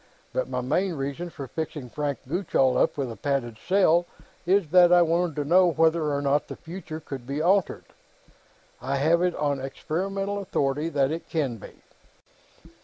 "But my main reason for fixing Frank Gutchall up with a padded cell was that I wanted to know whether or not the future could be altered. I have it on experimental authority that it can be.